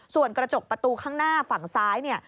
ส่วนกระจกประตูข้างหน้าฝั่งซ้ายเนี่ย